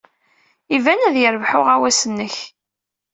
Iban ad yerbeḥ uɣawas-nnek.